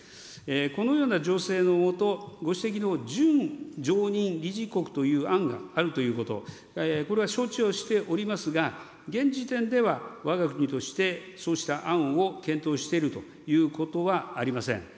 このような情勢のもと、ご指摘の準常任理事国という案があるということ、これは承知をしておりますが、現時点ではわが国としてそうした案を検討しているということはありません。